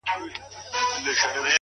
هغه اوس گل ماسوم په غېږه كي وړي؛